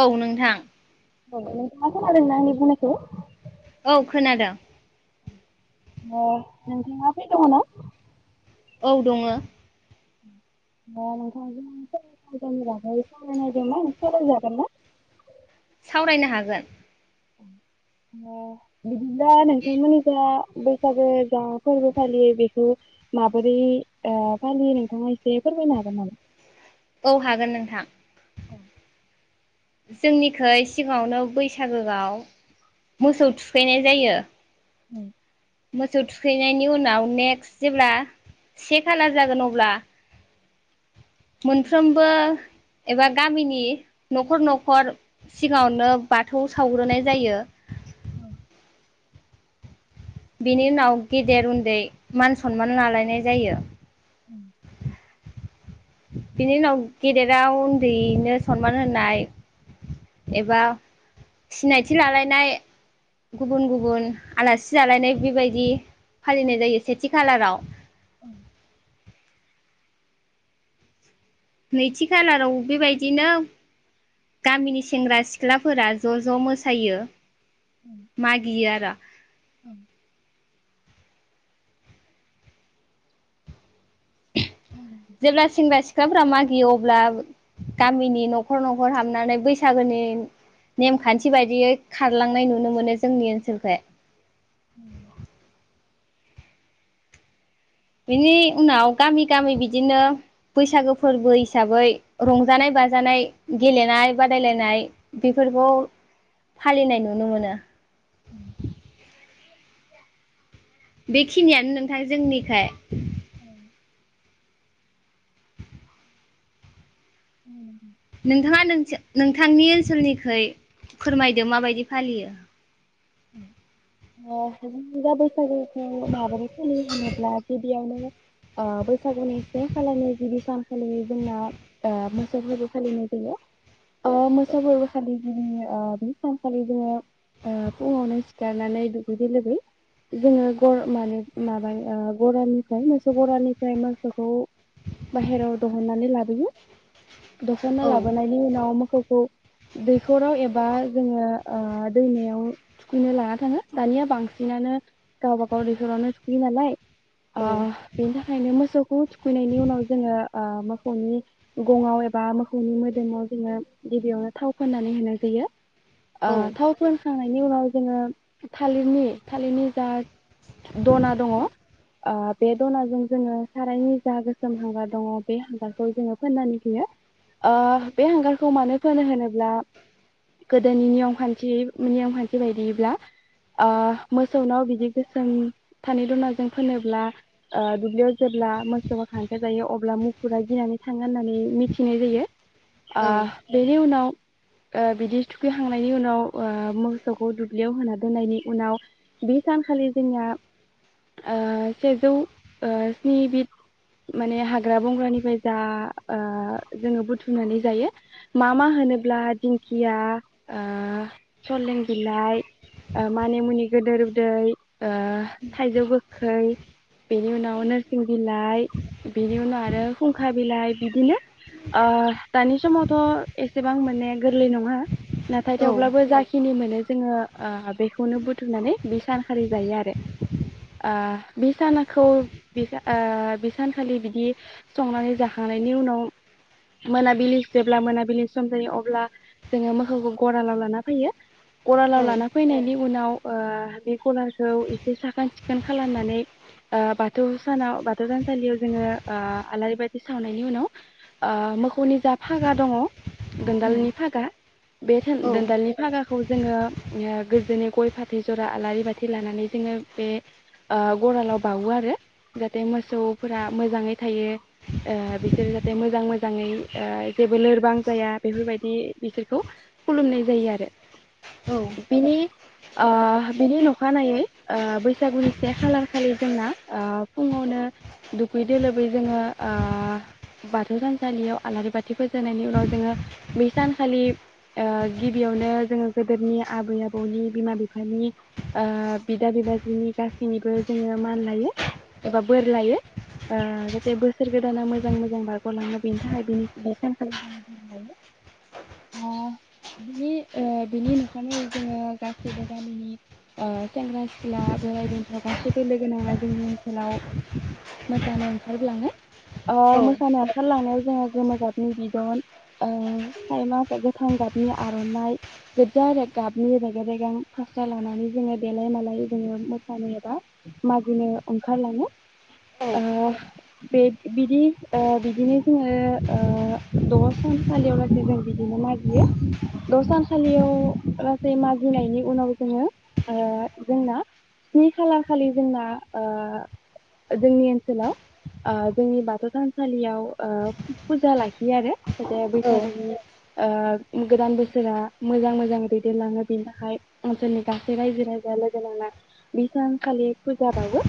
औ नोंथां। औ नोंथाङा खोनादों ना आंनि बुंनायखौ औ खोनादों। अ नोंथाङा फ्रि दङ' ना? औ दङो। [unintelligible] सावरायनायदोमोन सावराय जागोन ना? सावरायनो हागोन। अ बिदिब्ला नोंथांमोननि जा बैसागो जा फोरबो फालियो बेखौ माबोरै ओ फालियो नोंथाङा एसे फोरमायनो हागोन नामा? औ हागोन नोंथां। अ। जोंनिखै सिगाङावनो बैसागोआव मोसौ थुखैनाय जायो। अ। मोसौ थुखैनायनि उनाव नेक्स्ट जेब्ला से खालार जागोन अब्ला मोनफ्रोमबो एबा गामिनि न‌खर नखर सिगाङावनो बाथौ सावग्रोनाय जायो। औ। बिनि उनाव गेदेर उन्दै मान सनमान लालायनाय जायो। ओं। बिनि उनाव गेदेराव उन्दैनो सनमान होनाय एबा सिनायथि लालायनाय गुबुन गुबुन आलासि जालायनाय बेबायदि फालिनाय जायो सेथि खालाराव। ओं। नैथि खालाराव बेबायदिनो गामिनि सेंग्रा सिख्लाफोरा ज' ज' मोसायो। मागियो आरो ओं। जेब्ला सेंग्रा सि ख्लाफ्रा मागियो अब्ला गामिनि न'खर न'खर हाबनानै बैसागोनि नेमखान्थि बायदियै खारलांनाय नुनो मोनो जोंनि ओनसोलखै। ओं। बेनि उनाव गामि गामि बिदिनो बैसागो फोरबो हिसाबै रंजानाय बाजानाय गेलेनाय बादायलायनाय बेफोरखौ फालिनाय नुनो मोनो। ओं। बेखिनियानो नोंथां जोंनिखाय। औ। उम नोंथाङा नोंस नोंथांनि ओनसोलनिखै फोरमायदो माबायदि फालियो [unintelligible] औ माबोरै होनोब्ला बेयावनो ओ बैसागुनि से खालारनि गिबि सानखालि जोंना ओ मोसौ फोरबो फालिनाय जायो अ मोसौ फोरबो खालि गिबि ओ बे सानखालि जोङो ओ फुङावनो सिखारनानै दुगैदै लोबै जोङो गर माने माबा गरानिफ्राय मोसौ गरानिफ्राय मोसौखौ बाहेरायाव दिहुननानै लाबोयो दख‌ना औ लाबोनायनि उनाव मोसौखौ दैखराव एबा जोङो ओ दैमायाव थुखैनो लाना थाङो दानिया बांसिनानो गावबागाव दैखरावनो थुखैयो नालाय ओ औ बेनि थाखायनो मोसौ खौ थुखैनायनि उनाव जोङो ओ मोसौनि गङाव एबा मोसौनि मोदोमाव जोङो गिबियावनो थाव फाननानै होनाय जायो। ओ औ थाव मोनखांनाय उनाव जोङो थालिरनि थालिरनि जा दना दङ ओ बे दनाजों जोङो सारायनि जा गोसोम हांगार दङ बे हांगारखौ जोङो फोननानै होयो ओ बे हांगारखौ मानो फोनो होनोब्ला गोदोनि नियम खान्थि नियम खान्थि बायदिब्ला ओ मोसौनाव बिदि गोसोम थानि दुनाजों फोनोब्ला ओ दुब्लियाव जेब्ला मोसौआ खांखार जायो अब्ला मुफुरा गिनानै थाङो होननानै मिथिनाय जायो। आ औ बेनि उनाव आ बिदि थुखैखांनायनि उनाव आ मोसौखौ दुब्लियाव होना दोननायनि उनाव बे सानखालि जोंना आ सेजौ आ स्नि बिद माने हाग्रा बंग्रानिफ्राय जा आ जोङो बुथुमनानै जायो मा मा होनोब्ला दिंखिया आ सले बिलाइ आ मानि मुनि गोदो उदै आ थाइजौ गोखै बिनि उनाव नोरसिं बिलाइ बिनि उनाव आरो फुंखा बिलाइ बिदिनो आ दानि समावथ' एसेबां मोननाया गोरलै नङा नाथाय थेवब्लाबो जाखिनि मोनो जोङो आ बेखौनो बुथुमनानै बे सानखालि जायो आरो आ बे सानाखौ आ बे सानखालि बिदि संनानै जाखांनायनि उनाव मोनाबिलि जेब्ला मोनाबिलिनि सम जायो अब्ला जोङो मोसौखौ गरालाव लाना फैयो औ गरालाव लाना फैनायनि उनाव बे गलाखौ एसे साखोन सिखोन खालामनानै आ बाथौ सानाव बाथौ सानसालियाव जोङो आ आलारि बाथि सावनायनि उनाव मोसौनि जा फागा दङ उम दोनदालनि फागा बे औ दोनदालनि फागाखौ जोङो गोजोननि गय फाथै जरा आलारि बाथि लानानै जोङो बे आ गरालाव बाावो आरो जाहाथे मोसौफोरा मोजाङै थायो आ बिसोरो जाहाथे मोजां मोजाङै आ जेबो लोरबां जाया बेफोरबायदि बिसोरखौ खुलुमनाय जायो आरो औ बिनि आ बिनि नखानायै आ बैसागुनि से खालार खालि जोंना आ फुङावनो दुखुै दोलोबै जोङो आ बाथौ थानसालियाव आलारि बाथि फोजोननायनि उनाव जोङो बै सानखालि आ गिबियावनो जोङो गोदोरनि आबै आबौनि बिमा बिफानि आ बिदा बिबाजिनि गासैनिबो जोङो मान लायो एबा बोर लायो जाहाथे आ बोसोर गोदाना मोजां मोजां बारग'लाङो बेनि थाखाय बे सानखालि जोङो बोर लायो बिनि आ बिनि नंखाय जोङो गासैबो गामिनि आ सेंग्रा सिख्ला बोराइ बेन्थ' गासैबो लोग नाङा जोंनि ओनसोलाव मोसानो ओंखारबोलाङो अ मोसानो ओंखारलांनाय जोंहा गोमो गाबनि बिदना आगोथां गाबनि आर'नाइ गोग्जा गाबनि रेगां रेग फास्रा लानानै जोङो देलाय मालाय जोङो मोसानो एबा मागिनो ओंखारलाङो ओ बे बिदि अ बिदिनो जोङो अ द सानसालियाव र जों बिदिनो मजियो द सान खालियाव गासै मागिनायनि उनाव जोङो आ जोंना स्नि खालार खालि जोंना आ जोंनि ओनसोलाव जोंनि बाथौ थानसालियाव आ फुजा लाखियो आरो दे औ बैसागुनि ओ गोदान बोसोरा मोजां मोजां दैदेनलाङो बिनि थाखाय ओनसोलनि गासै रायजो राजाया लोगो नांना बि सानखालि फुजा बावो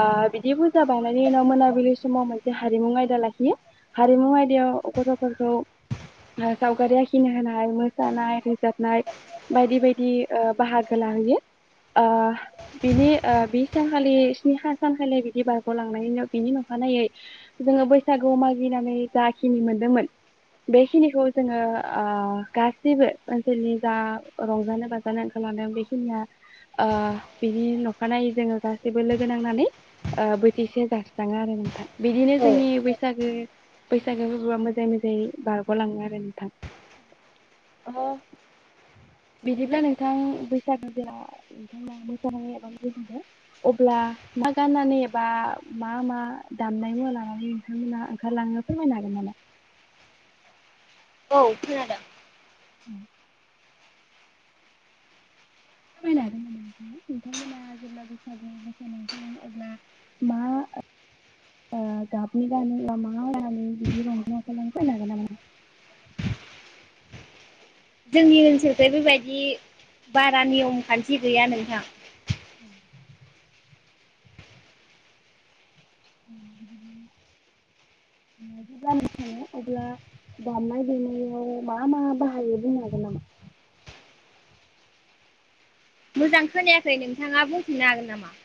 आ बिदि फुजा बावनायनि उनाव मोनाबिलि समाव मोनसे हारिमु आयदा लाखियो हारिमु आयदायाव गथ'फोरखौ आ सावगारि आखिनो होनाय मोसानाय जाबनाय बायदि बायदि आ बाहागो लाहैयो आ बिनि आ बि सानखालि स्नि हा सानखालि बिदि बारग' लांनायनि बिनि नंखानायै जोङो बैसागु मागिनानै ज खिनि मोनदोंमोन बेखिनिखौ जोङो आ गासैबो ओनसोलनि जा रंजानो बाजानो ओंखारलांदों बेखिनिया ओ बिनि नखानायै जोङो गासैबो लोगो नांनानै ओ बोथिसे जास्राङो आरो नोंथां। बिदिनो जोंनि बैसागो। बैसागो फोरबोआ मोजाङै-मोजाङै बारग'लाङो आरो नोंथां। ह। बिदिब्ला नोंथां बैसागो [unintelligible] ऐसा अब्ला मा गाननानै एबा मा-मा दामनाय मुवा लानानै नोंथांमोना ओंखारलाङो फोरमायनो हागोन नामा? औ खोनादों। उम। फोरमायनो हागोन नामा? नोंथांमोना जेब्ला बैसागो मोसानो ओंखारलाङो अब्ला मा ओ गाबनि गानो [unintelligible] फोरमायनो हागोन नामा नोंथां? जोंनि ओनसोलखै बेबायदि बारा नियम खान्थि गैया नोंथां। जानो सानो अब्ला दामनाय-देनायाव मा मा बाहायो बुंनो हागोन नामा? मोजां खोनायाखै नोंथाङा बुंफिननो हागोन नामा?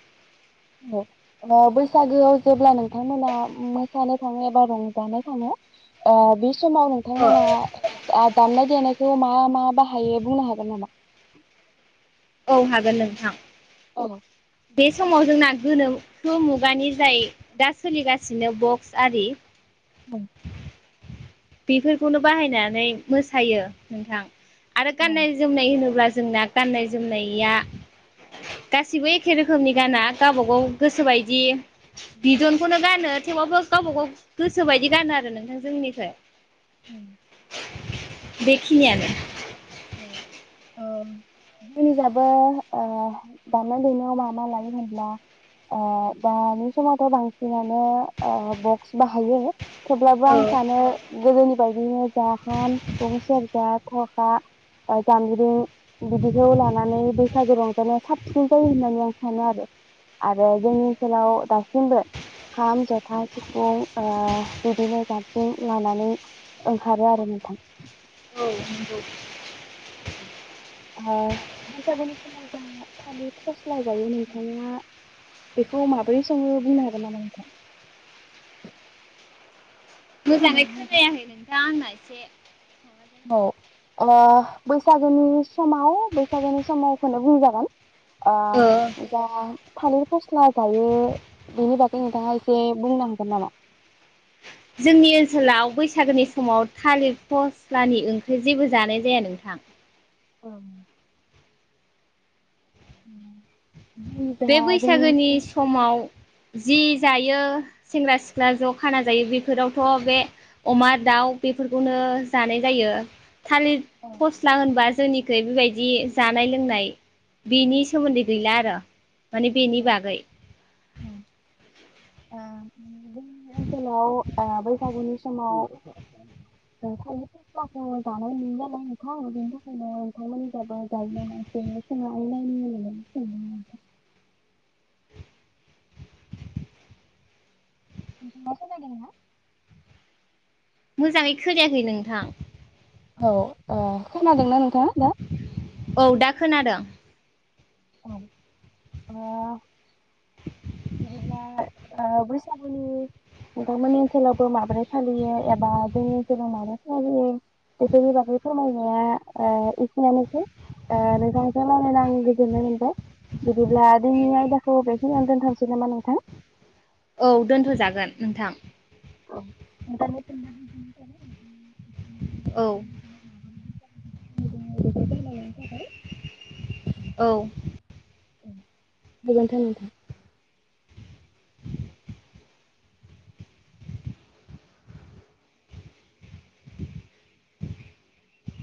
अ बैसागोआव जेब्ला नोंथांमोना मोसानो थाङो एबा रंजानो थाङो अ बे। समाव अ नोंथांमोना। दामनाय-देनायखौ मा मा बाहायो बुंनो हागोन नामा? औ हागोन नोंथां। अ‌। बे समाव जोंना गोनोखो मुगानि जाय दा सोलिगासिनो बक्स आरि। औ। बेफोरखौनो बाहायनानै मोसायो नोंथां। आरो औ गानना- जोमनाय होनोब्ला। जोंना गाननाय-जोमनाया गासिबो एखे रोखोमनि गाना गावबा गाव गोसोबायदि बिदनखौनो गानो थेवबाबो गावबा गाव गोसोबायदि गानो आरो नोंथां जोंनिखै। ओम। बेखिनियानो। औ-औ जोंनिजाबो ओ दामनाय- देनायाव मा-मा लायो होनब्ला दानि समावथ' बांसिनानो बक्स बाहायो। थेवब्लाबो औ आं सानो‌। गोदोनि बायदियैनो जा खाम, सिफुं, सेरजा थरखा। जाम्ब्रिं बिदिखौ लानानै बैसागो रंजानाया साबसिन जायो होननानै आं सानो आरो आरो जोंनि ओनसोलाव दासिमबो खाम, जथा, सिफुं ओ बिदिनो जामस्रिं लानानै ओंखारो आरो नोंथां। [unintelligible] हो बैसागोनि समाव जों थालिर फस्ला जायो नोंथाङा बेखौ माब्रै सङो बुंनो हागोन नामा नोंथां? मोजाङै खोनादोंना नोंथां? खोनायाखै नोंथां आंना एसे। से। औ अ बैसागोनि समाव बैसागोनि समावखौनो बुंजागोन। अ ओ मोजां। थालिर फस्ला जायो बेनि बागै नोंथाङा एसे बुंनो हागोन नामा? जोंनि ओनसोलाव बैसागोनि समाव थालिर फस्लानि ओंख्रि जेबो जानाय जाया नोंथां। औ। [unintelligible] जा बे जोंनि बैसागोनि ओनसोल समाव। जि जायो सेंग्रा-सिख्ला ज' खाना जायो बेफोरावथ' बे अमा, दाउ बेफोरखौनो जानाय जायो। थालिर औ फस्ला होनबा। गोदोनिख्रुइ बेबायदि जानाय-लोंनाय बेनि सोमोन्दै गैला आरो। माने औ बेनि बागै ओं जोंनि ओनसोलाव आ बैसागुनि समाव [unintelligible] फस्लाखौ जानाय नुयो नालाय नोंथां बेनि थाखायनो नोंथांमोननिखैबो जायो नामा इसे सोंनानै नायनि [unintelligible] नोंथाङा खोनादोंना मोजाङै खोनायाखै नोंथां औ अ खोनादोंना नोंथाङा दा औ दा खोनादों औ आ बिदिब्ला आ बैसागुनि नोंथांमोननि ओनसोलावबो माबोरै फालियो एबा जोंनि ओनसोलाव माबोरै फालियो बेफोरनि बागै फोरमायनाया ओ एखिनियानोसै ओ नोंथांजों लायरायना आं गोजोननाय मोनबाय बिदिब्ला जोंनि आयदाखौ बेखिनियावनो दोनथसै [unintelligible] नामा नोंथां औ दोनथ'जागोन नोंथां औ [unintelligible] औ [unintelligible] फोरमायनायनि थाखाय औ गोजोनथो नोंथां